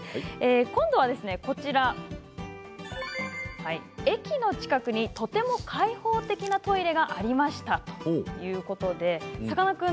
今度は駅の近くにとても開放的なトイレがありましたということでさかなクン